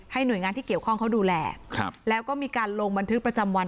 หน่วยงานที่เกี่ยวข้องเขาดูแลครับแล้วก็มีการลงบันทึกประจำวัน